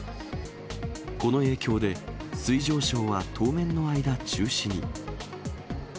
この影響で、水上ショーは当面の間中止に。